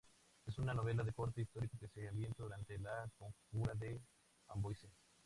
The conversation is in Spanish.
Es una novela de corte histórico que se ambienta durante la conjura de Amboise.